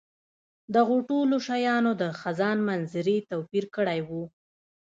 دغو ټولو شیانو د خزان منظرې توپیر کړی وو.